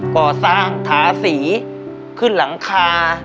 ก่อสร้างทาสีขึ้นหลังคา